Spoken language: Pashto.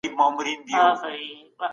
دا راته مه وايه چي